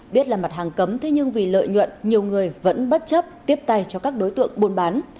biết là mặt hàng cấm thế nhưng vì lợi nhuận nhiều người vẫn bất chấp tiếp tay cho các đối tượng buôn bán